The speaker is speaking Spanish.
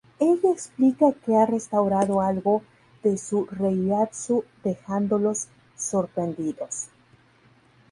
Ella explica que ha restaurado algo de su reiatsu, dejándolos sorprendidos.